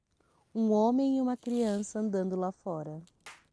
Um homem e uma criança andando lá fora.